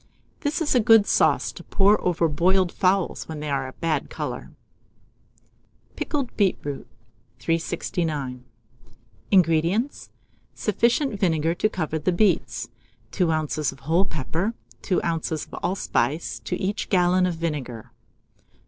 This is a good sauce to pour over boiled fowls when they are a bad colour. PICKLED BEETROOT. 369. INGREDIENTS. Sufficient vinegar to cover the beets, 2 oz. of whole pepper, 2 oz. of allspice to each gallon of vinegar.